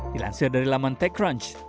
dilansir dari laman techcrunch